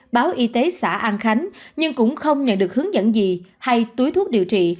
báo y tế xã an khánh nhưng cũng không nhận được hướng dẫn gì hay túi thuốc điều trị